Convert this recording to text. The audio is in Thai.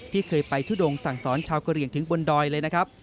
ที่เคยไปทุดงสั่งสอนชาวกะเหลี่ยงถึงบนดอยเลยนะครับ